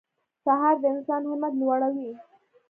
سهار د انسان همت لوړوي.